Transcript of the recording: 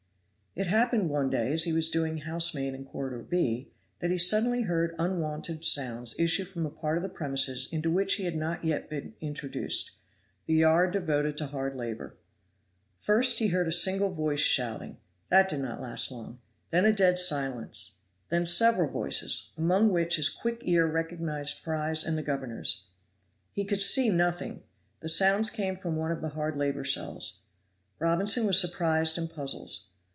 It happened one day as he was doing housemaid in corridor B, that he suddenly heard unwonted sounds issue from a part of the premises into which he had not yet been introduced, the yard devoted to hard labor. First he heard a single voice shouting: that did not last long; then a dead silence; then several voices, among which his quick ear recognized Fry's and the governor's. He could see nothing; the sounds came from one of the hard labor cells. Robinson was surprised and puzzled.